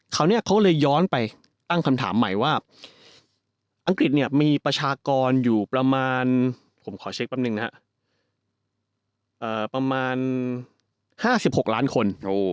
คราวนี้เขาเลยย้อนไปตั้งคำถามใหม่ว่าอังกฤษมีประชากรอยู่ประมาณ๕๖ล้านคน